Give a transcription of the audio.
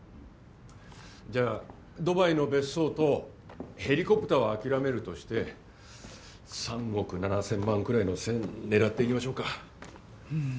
じゃあドバイの別荘とヘリコプターは諦めるとして３億７０００万くらいの線狙っていきましょうか。